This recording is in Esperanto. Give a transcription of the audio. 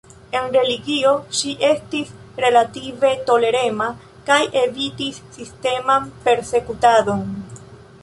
En religio, ŝi estis relative tolerema kaj evitis sisteman persekutadon.